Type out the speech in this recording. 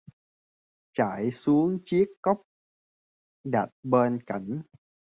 Chảy xuống chiếc cốc đặt bên cạnh